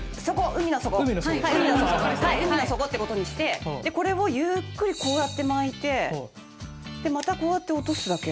海の底ってことにしてこれをゆっくりこうやって巻いてまたこうやって落とすだけ。